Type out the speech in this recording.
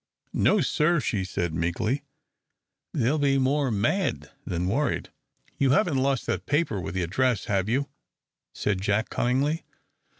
"No, sir," she said, meekly, "they'll be more mad than worried." "You haven't lost that paper with the address, have you?" said Jack, cunningly.